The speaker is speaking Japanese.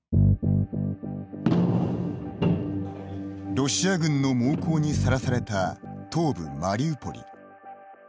ロシア軍の猛攻にさらされた東部マリウポリ。